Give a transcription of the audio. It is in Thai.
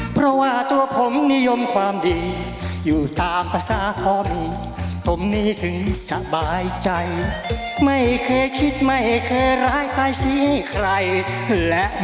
พี่ปู๊ขอบคุณครับมาเลย